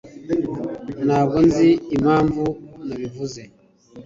Ntabwo nzi impamvu nabivuze.